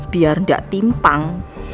biar gak timpang